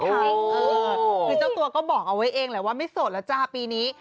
คือเจ้าตัวก็บอกเอาไว้เองแหละว่าไม่โสดแล้วจ้าปีนี้